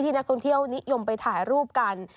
นักท่องเที่ยวนิยมไปถ่ายรูปกัน